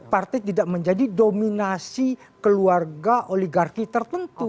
partai tidak menjadi dominasi keluarga oligarki tertentu